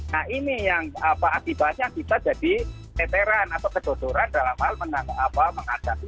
nah ini yang akibatnya kita jadi teteran atau kedodoran dalam hal menghadapi